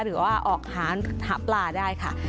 หรือว่าออกหาปลาได้ค่ะ